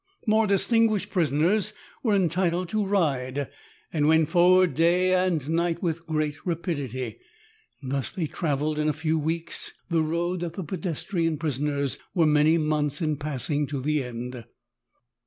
More distinguished prisoners were entitled to ride, and went forward day and night with great rapidity; thus they traveled in a few weeks the road that the pedestrian prisoners were many months in passing to the end.